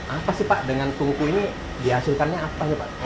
apa sih pak dengan tungku ini dihasilkannya apa nih pak